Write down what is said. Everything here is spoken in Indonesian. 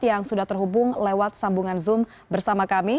yang sudah terhubung lewat sambungan zoom bersama kami